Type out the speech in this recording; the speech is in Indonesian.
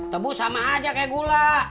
tebu sama aja kayak gula